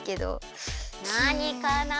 なにかな？